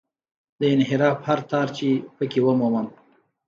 د انحراف هر تار چې په کې ومومم.